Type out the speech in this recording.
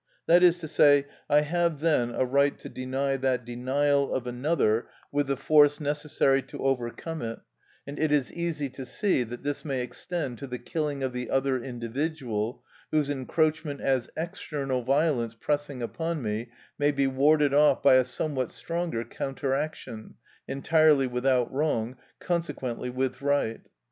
That is to say: I have then a right to deny that denial of another with the force necessary to overcome it, and it is easy to see that this may extend to the killing of the other individual, whose encroachment as external violence pressing upon me may be warded off by a somewhat stronger counteraction, entirely without wrong, consequently with right.